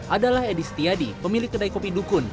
adalah edi setiadi pemilik kedai kopi dukun